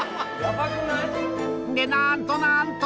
でなんとなんと！